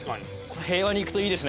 平和にいくといいですね今日。